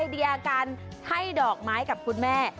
แต่วันนี้ถ้าใครมองหาไอเดียการให้ดอกไม้กับคุณแม่